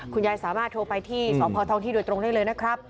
คุณยายสามารถโทรไปที่สพทองที่โดยตรงได้เลยนะครับ